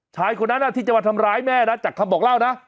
ชายคนนั้นที่จะมาทำร้ายแม่นะจากคำบอกเล่านะ